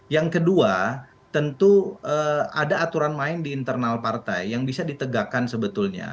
yang kedua tentu ada aturan main di internal partai yang bisa ditegakkan sebetulnya